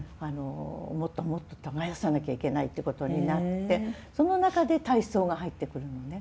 もっともっと耕さなきゃいけないっていうことになってその中で体操が入ってくるのね。